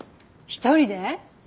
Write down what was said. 一人で？